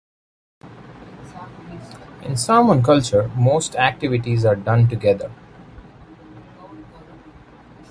In Samoan culture, most activities are done together.